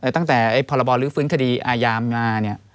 ตั้งแต่ภาระบอรื้อฟื้นคดีอายามมานี่